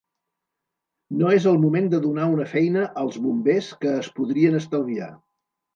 No és el moment de donar una feina als bombers que es podrien estalviar.